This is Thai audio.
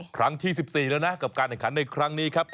ครั้งที่๑๔แล้วนะกับการแข่งขันในครั้งนี้ครับ